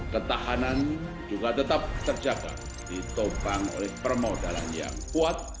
ketahanan juga tetap terjaga ditopang oleh permodalan yang kuat